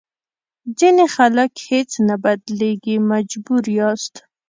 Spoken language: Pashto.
ځینې خلک هېڅ نه بدلېږي مجبور یاست.